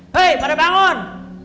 hei pada bangun